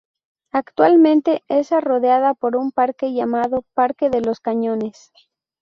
Actualmente está rodeada por un parque llamado Parque de los cañones.